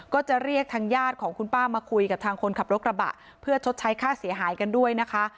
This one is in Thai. ก็จะเรียกทางญาติของคุณป้ามาคุยกับทางคนขับรถกระบะเพื่อชดใช้ค่าเสียหายกันด้วยนะคะ